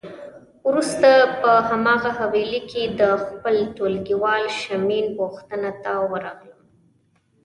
وروسته په هماغه حویلی کې د خپل ټولګیوال شېمن پوښتنه ته ورغلم.